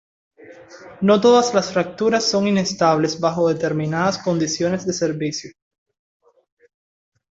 No todas las fracturas son inestables bajo determinadas condiciones de servicio.